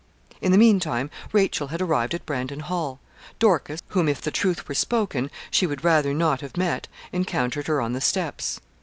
In the meantime Rachel had arrived at Brandon Hall. Dorcas whom, if the truth were spoken, she would rather not have met encountered her on the steps.